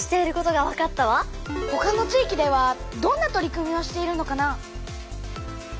ほかの地域ではどんな取り組みをしているのかな？